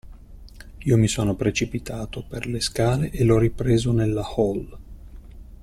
Io mi sono precipitato per le scale e l'ho ripreso nella hall.